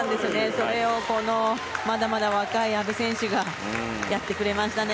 それを、まだまだ若い阿部選手がやってくれましたね。